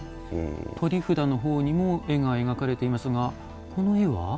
取り札のほうにも絵が描かれていますがこの絵は？